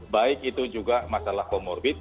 baik itu juga masalah comorbid